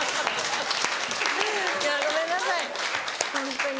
ごめんなさいホントに。